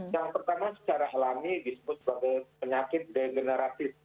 yang pertama secara alami disebut sebagai penyakit degeneratif